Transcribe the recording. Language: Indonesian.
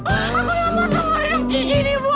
aku ramah semua hidup kini ibu